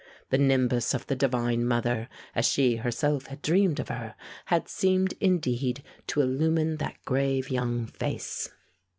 The nimbus of the Divine Mother, as she herself had dreamed of her, had seemed indeed to illumine that grave young face.